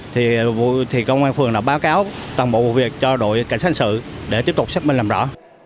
thì công an phường đã báo cáo toàn bộ vụ việc cho đội cảnh sát hành sự để tiếp tục xác minh làm rõ